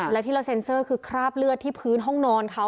และที่เราเซ็นเซอร์คือคราบเลือดที่พื้นห้องนอนเขา